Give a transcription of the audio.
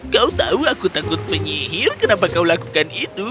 kau tahu aku takut penyihir kenapa kau lakukan itu